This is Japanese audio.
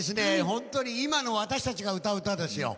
本当に今の私たちが歌う歌ですよ。